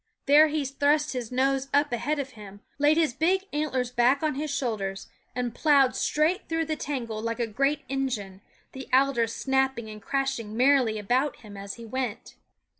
There he thrust his nose up ahead of him, laid his big antlers back on his shoulders, and plowed straight through the tangle like a great engine, the alders snapping and crashing merrily about him as he went.